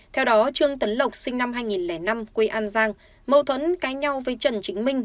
theo đó trương tấn lộc sinh năm hai nghìn năm quê an giang mâu thuẫn cá nhau với trần chính minh